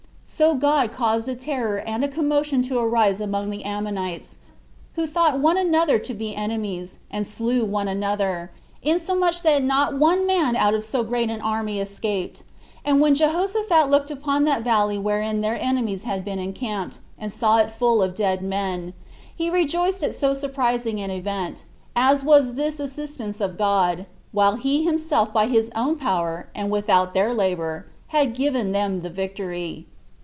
So God caused a terror and a commotion to arise among the Ammonites, who thought one another to be enemies, and slew one another, insomuch that not one man out of so great an army escaped; and when Jehoshaphat looked upon that valley wherein their enemies had been encamped, and saw it full of dead men, he rejoiced at so surprising an event, as was this assistance of God, while he himself by his own power, and without their labor, had given them the victory.